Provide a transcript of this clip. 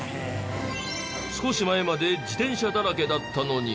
少し前まで自転車だらけだったのに。